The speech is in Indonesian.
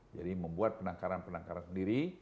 jadi membuat penangkaran penangkaran sendiri